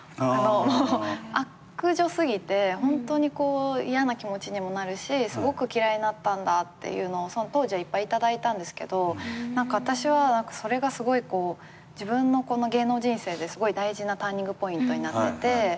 悪女すぎてホントに嫌な気持ちにもなるしすごく嫌いになったんだっていうのをその当時はいっぱい頂いたんですけど私はそれがすごい自分の芸能人生ですごい大事なターニングポイントになってて。